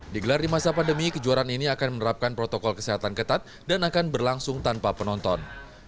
digelar di masa pandemi kejuaraan ini akan menerapkan protokol kesehatan ketat dan akan berlangsung tanpa penonton